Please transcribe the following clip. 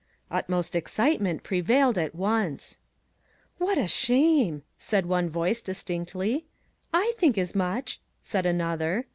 Utmost excitement prevailed at once. " What a shame !" said one voice, distinctly. " I think as much !" said another.